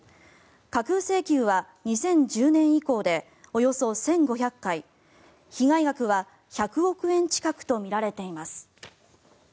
架空請求は２０１０年以降でおよそ１５００回被害額は１００億円近くとみられています。